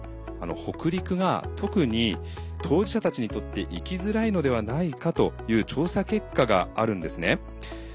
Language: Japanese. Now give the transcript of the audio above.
北陸が特に当事者たちにとって生きづらいのではないかという調査結果があるんですね。